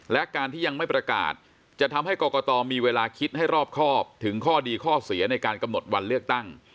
และการที่ยังไม่ประกาศจะทำให้กรกตมีเวลาคิดให้รอบครอบถึงข้อดีข้อเสียในการกำหนดวันเลือกตั้ง